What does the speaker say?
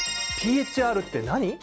ＰＨＲって何？